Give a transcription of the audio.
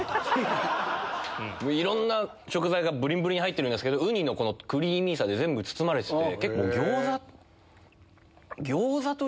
・いろんな食材がぶりんぶりんに入ってるけどウニのこのクリーミーさで全部包まれてて。